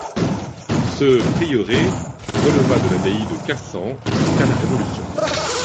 Ce prieuré releva de l'abbaye de Cassan jusqu’à la Révolution.